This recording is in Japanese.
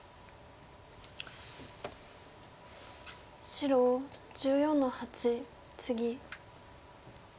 白１４の八ツギ。